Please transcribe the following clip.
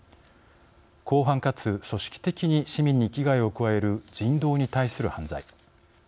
広範かつ組織的に市民に危害を加える人道に対する犯罪。